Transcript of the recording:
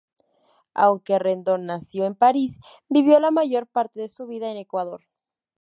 Aunque Rendón nació en París, vivió la mayor parte de su vida en Ecuador.